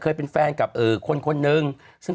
เคยเป็นแฟนกับคนนึง